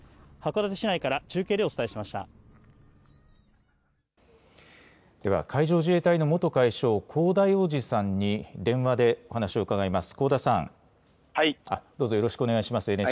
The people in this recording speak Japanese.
函館市内から中継でお伝えしましでは、海上自衛隊の元海将、香田洋二さんに電話でお話を伺います。